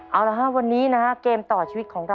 เอาละครับวันนี้นะฮะเกมต่อชีวิตของเรา